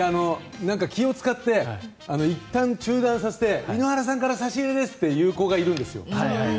気を使っていったん中断させて井ノ原さんから差し入れですって言う子がいるんですよ。